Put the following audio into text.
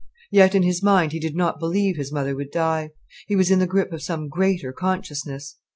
Yet in his mind he did not believe his mother would die. He was in the grip of some greater consciousness.